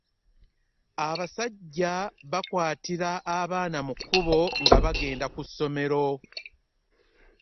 abazajja bakwatira abaana mu kubo nga bbagrnda ku somero